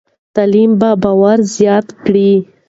تعلیم به باور زیات کړي.